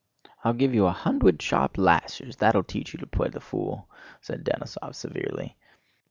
"I'll give you a hundwed sharp lashes—that'll teach you to play the fool!" said Denísov severely.